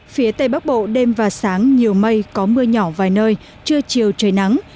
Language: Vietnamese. phía tây bắc bộ đêm và sáng nhiều mây có mưa nhỏ vài nơi trưa chiều trời nắng